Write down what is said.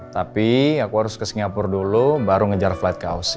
tapi aku harus ke singapura dulu baru ngejar flight counci